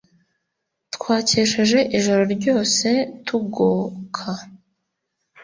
twakesheje ijoro ryose tugoka